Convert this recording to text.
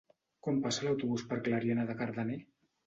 Quan passa l'autobús per Clariana de Cardener?